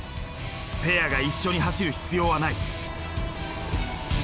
ペアが一緒に走る必要はない。